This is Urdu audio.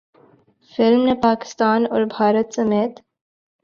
فلم نے پاکستان اور بھارت سمیت